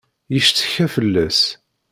Yeccetka fell-as.